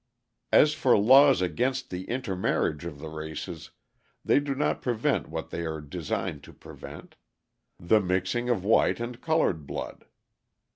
As for laws against the intermarriage of the races, they do not prevent what they are designed to prevent: the mixing of white and coloured blood.